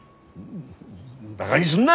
バガにすんな！